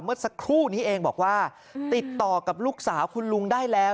เมื่อสักครู่นี้เองบอกว่าติดต่อกับลูกสาวคุณลุงได้แล้ว